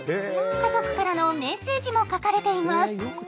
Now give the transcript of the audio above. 家族からのメッセージも書かれています。